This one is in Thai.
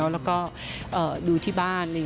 แล้วก็ดูที่บ้าน